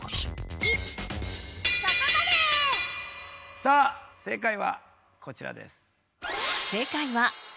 さあ正解はこちらです。